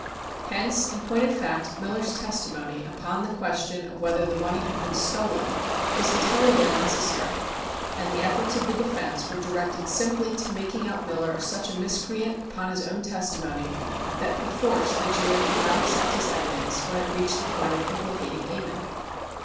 Hence, in point of fact, Miller's testimony upon the question of whether the money had been stolen was entirely unnecessary, and the efforts of the defence were directed simply to making out Miller such a miscreant upon his own testimony that perforce the jury could not accept his evidence when it reached the point of implicating Ammon.